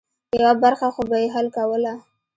یوه برخه خو به یې حل کوله.